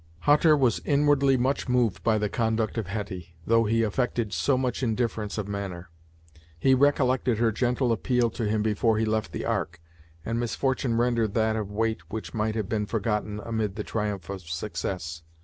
Hutter was inwardly much moved by the conduct of Hetty, though he affected so much indifference of manner. He recollected her gentle appeal to him before he left the Ark, and misfortune rendered that of weight which might have been forgotten amid the triumph of success.